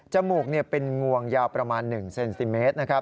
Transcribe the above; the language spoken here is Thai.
จมูกเป็นงวงยาวประมาณ๑เซนติเมตร